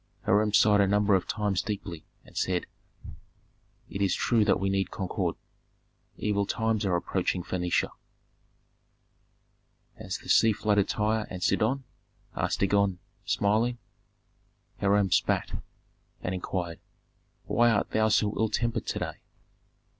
Hiram sighed a number of times deeply, and said, "It is true that we need concord. Evil times are approaching Phœnicia." "Has the sea flooded Tyre and Sidon?" asked Dagon, smiling. Hiram spat, and inquired, "Why art thou so ill tempered to day?"